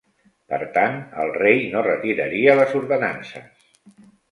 Per tant, el rei no retiraria les ordenances.